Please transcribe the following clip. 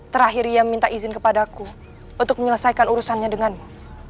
terakhir ia meminta izin kepada aku untuk menyelesaikan urusannya denganmu